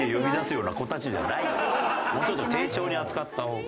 もうちょっと丁重に扱った方が。